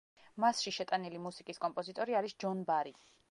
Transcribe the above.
მასში შეტანილი მუსიკის კომპოზიტორი არის ჯონ ბარი.